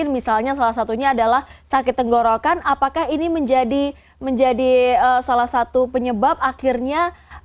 misalnya salah satunya adalah sakit tenggorokan apakah ini menjadi salah satu penyebab akhirnya